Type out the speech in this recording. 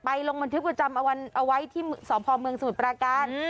ลงบันทึกประจำวันเอาไว้ที่สพเมืองสมุทรปราการ